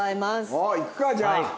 おおいくかじゃあ栗谷。